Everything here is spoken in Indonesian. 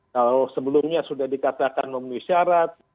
kalau sebelumnya sudah dikatakan memenuhi syarat